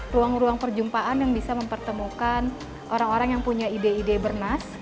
ruang ruang perjumpaan yang bisa mempertemukan orang orang yang punya ide ide bernas